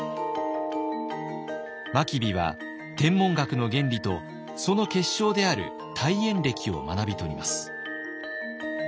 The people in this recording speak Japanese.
真備は天文学の原理とその結晶である大衍暦を学びとります。